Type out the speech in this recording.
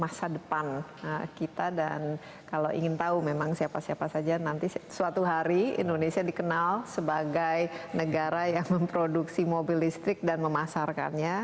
masa depan kita dan kalau ingin tahu memang siapa siapa saja nanti suatu hari indonesia dikenal sebagai negara yang memproduksi mobil listrik dan memasarkannya